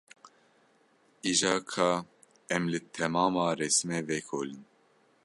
Îja ka em li temama resimê vekolin.